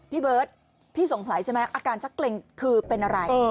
พี่เบิร์ตพี่สงสัยใช่ไหมอาการชักเกร็งคือเป็นอะไร